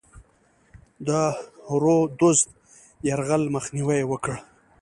د رودز د یرغل مخنیوی یې وکړ.